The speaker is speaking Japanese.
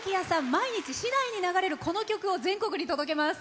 毎日、市内に流れるこの曲を全国に届けます。